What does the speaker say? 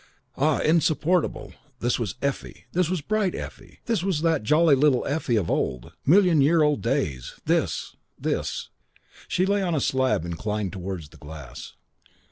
Ah, insupportable! This was Effie. This was Bright Effie. This was that jolly little Effie of the old, million year old days. This! This! She lay on a slab inclined towards the glass.